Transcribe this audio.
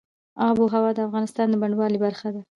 آب وهوا د افغانستان د بڼوالۍ برخه ده.